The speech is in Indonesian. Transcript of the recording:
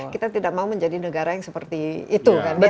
kita tidak mau menjadi negara yang seperti itu